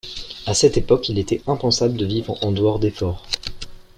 À cette époque, il était impensable de vivre en dehors des forts.